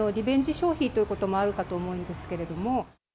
消費ということもあるかと思うのですけれども。